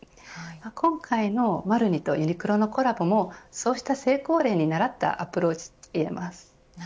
今回のＭＡＲＮＩとユニクロのコラボもそうした成功例にならったアプローチといえます。